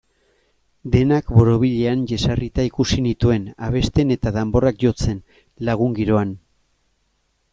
Denak borobilean jesarrita ikusi nituen, abesten eta danborrak jotzen, lagun-giroan.